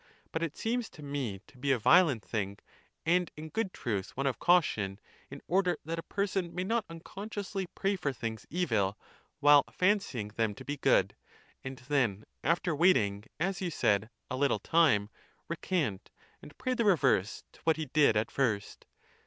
But it seems to me to be a violent® thing, and in good truth one of caution, in order that a person may not unconsciously pray for things evil, while fancying them to be good; and then after waiting, as you said, a little time, recant, and pray the reverse to what he did at first.